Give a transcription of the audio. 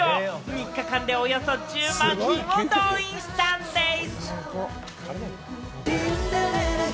３日間でおよそ１０万人を動員したんでぃす。